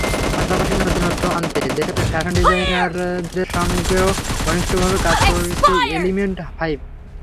পাশাপাশি নতুনত্ব আনতে দেশের ফ্যাশন ডিজাইনারদের সঙ্গেও ঘনিষ্ঠভাবে কাজ করছে এলিমেন্ট ফাইভ।